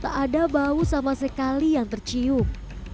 tak ada bau sama sekali yang tercium